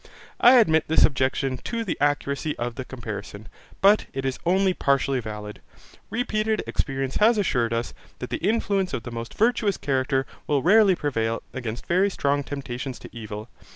I admit this objection to the accuracy of the comparison, but it is only partially valid. Repeated experience has assured us, that the influence of the most virtuous character will rarely prevail against very strong temptations to evil.